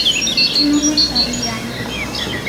Non o sabían.